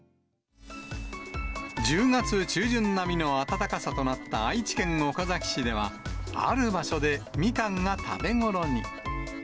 １０月中旬並みの暖かさとなった愛知県岡崎市では、ある場所でみかんが食べ頃に。